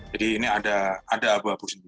jadi ini ada abu abu sendiri